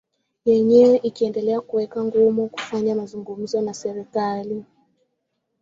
yenyewe ikiendelea kuweka ngumu kufanya mazungumzo na serikali